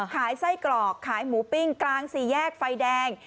ขายไส้กรอกขายหมูปิ้งกลางสี่แยกไฟแดง